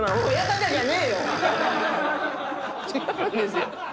違うんですよ。